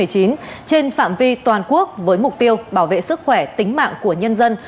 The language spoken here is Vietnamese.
trên phạm vi toàn quốc với mục tiêu bảo vệ sức khỏe tính mạng của nhân dân